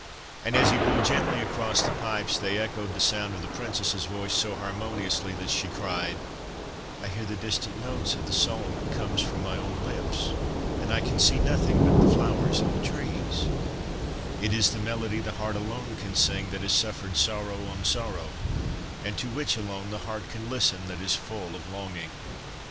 And as he blew gently across the pipes, they echoed the sound of the princess's voice so harmoniously that she cried :' I hear the distant notes of the song that comes from my own lips, and I can see nothing but the flowers and the trees; it is the melody the heart alone can sing that has suffered sorrow on sorrow, and to which alone the heart can listen that is full of longing.'